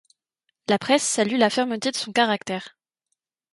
La presse salue la fermeté de son caractère.